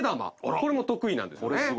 これも得意なんですよね。